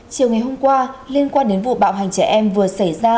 chiều ngày hôm qua liên quan đến vụ bạo hành trẻ em vừa xảy ra